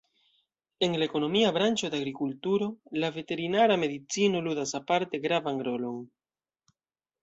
En la ekonomia branĉo de agrikulturo la veterinara medicino ludas aparte gravan rolon.